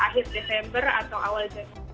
akhir desember atau awal